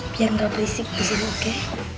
biar gak berisik disini oke